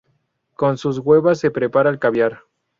Con sus huevas se prepara el caviar.